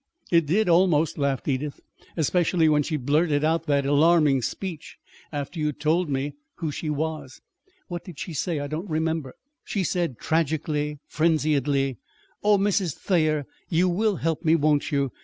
"It did almost," laughed Edith; "especially when she blurted out that alarming speech, after you'd told me who she was." "What did she say? I don't remember." "She said, tragically, frenziedly: 'Oh, Mrs. Thayer, you will help me, won't you?